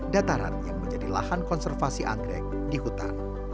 dataran yang menjadi lahan konservasi anggrek di hutan